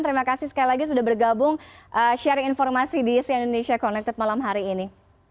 terima kasih sekali lagi sudah bergabung sharing informasi di sian indonesia connected malam hari ini